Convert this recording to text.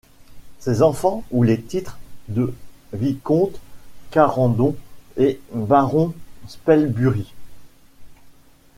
Ses enfants ont les titres de Vicomte Quarendon et Baron Spelsbury.